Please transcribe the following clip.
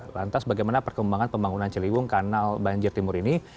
lantas bagaimana perkembangan pembangunan ciliwung kanal banjir timur ini